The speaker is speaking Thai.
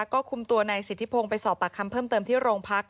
ก็คุมตัวนายสิทธิพงศ์ไปสอบปากคำเพิ่มเติมที่โรงพัก